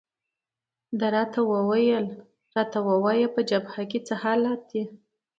ده وویل: راته ووایه، په جبهه کې څه حالات دي؟